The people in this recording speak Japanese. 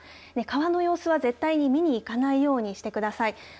川の様子は絶対に見に行かないようにしてください。